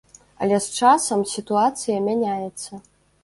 Але з часам сітуацыя мяняецца.